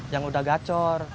yang udah gacor